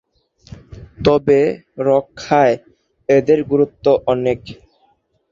তবে রক্ষায় এদের গুরুত্ব অনেক।